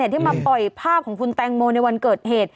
ที่มาปล่อยภาพของคุณแตงโมในวันเกิดเหตุ